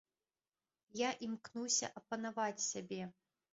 Я імкнуся апанаваць сябе.